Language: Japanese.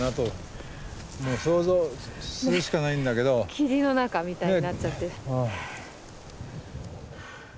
霧の中みたいになっちゃって。